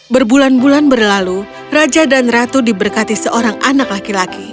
berbulan bulan berlalu raja dan ratu diberkati seorang anak laki laki